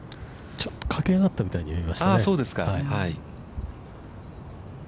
◆駆け上がったみたいに見えましたね。